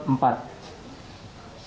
sama identitasnya dengan oki bisma